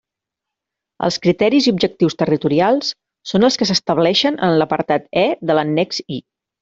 Els criteris i objectius territorials són els que s'estableixen en l'apartat E de l'annex I.